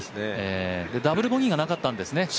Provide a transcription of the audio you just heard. ダブルボギーがなかったんですね